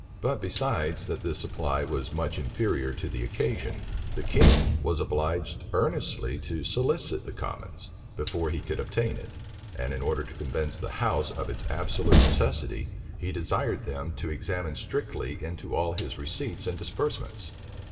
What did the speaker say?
But besides that this supply was much inferior to the occasion, the king was obliged earnestly to solicit the commons, before he could obtain it; and, in order to convince the house of its absolute necessity, he desired them to examine strictly into all his receipts and disbursements.